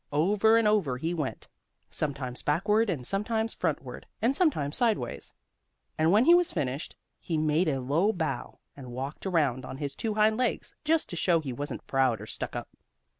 Over and over he went, sometimes backward and sometimes frontward, and sometimes sideways. And when he was finished, he made a low bow, and walked around on his two hind legs, just to show he wasn't proud or stuck up.